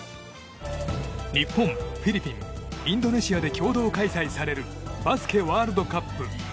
日本、フィリピンインドネシアで共同開催されるバスケワールドカップ。